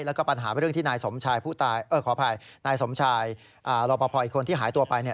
ถ้าปัญหาเป็นเรื่องที่นายสมชายรอปภอีกคนที่หายตัวไป